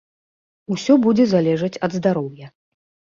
Усё будзе залежаць ад здароўя.